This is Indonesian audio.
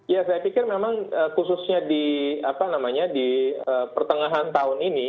ya saya pikir memang khususnya di apa namanya di pertengahan tahun ini